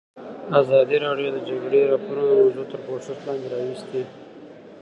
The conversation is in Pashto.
ازادي راډیو د د جګړې راپورونه موضوع تر پوښښ لاندې راوستې.